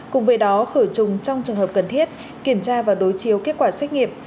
cùng với đó khử trùng trong trường hợp cần thiết kiểm tra và đối chiếu kết quả xét nghiệm